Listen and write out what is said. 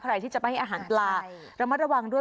ใครที่อาหารปลาระระวังด้วย